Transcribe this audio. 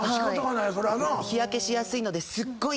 日焼けしやすいのですっごい対策してて。